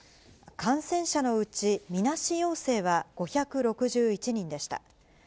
感染者のうち、みなし陽性は５６１人でした。